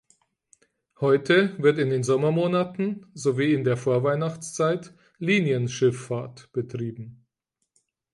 Heute wird in den Sommermonaten sowie in der Vorweihnachtszeit Linienschifffahrt betrieben.